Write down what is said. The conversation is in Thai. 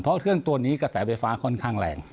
เพราะเครื่องตัวนี้กระแสไฟฟ้าค่อนข้างแรง